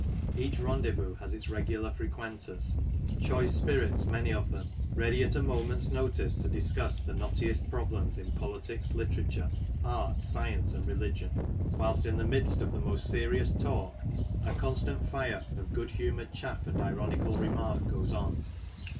Each rendezvous has its regular frequenters — choice spirits, many of them, ready at a moment's notice to discuss the knottiest problems in politics, literature, art, science and religion; whilst in the midst of the most serious talk, a constant fire of good humoured chaflf and ironical remark goes on.